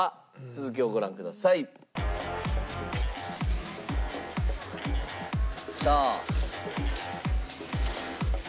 続きをご覧ください。さあ。